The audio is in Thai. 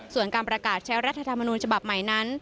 ส่วนการประกาศใช้รัฐธรรมนูญฉบับใหม่นั้น